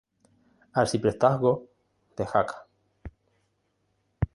Arciprestazgo de Jaca.